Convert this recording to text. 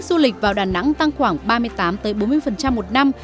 con số khách du lịch vào đà nẵng tăng khoảng ba mươi tám bốn mươi một năm